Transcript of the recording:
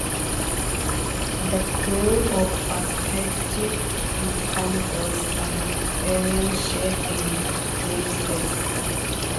The crew of a spaceship encounters an alien ship in deep space.